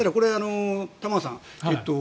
玉川さん